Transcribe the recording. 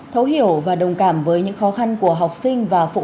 thấu hiểu và đồng cảm với những khó khăn của học sinh và phụ nữ